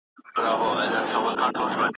تجربې د خصوصي سکتور له خوا شریکیږي.